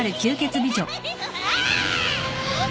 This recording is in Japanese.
あっ！